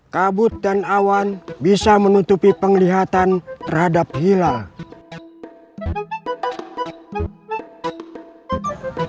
kabut dan awan bisa menutupi penglihatan terhadap hilal